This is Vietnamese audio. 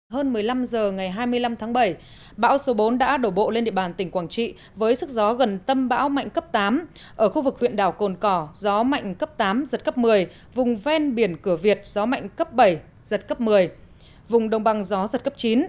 hơn một mươi năm h ngày hai mươi năm tháng bảy bão số bốn đã đổ bộ lên địa bàn tỉnh quảng trị với sức gió gần tâm bão mạnh cấp tám ở khu vực huyện đảo cồn cỏ gió mạnh cấp tám giật cấp một mươi vùng ven biển cửa việt gió mạnh cấp bảy giật cấp một mươi vùng đồng bằng gió giật cấp chín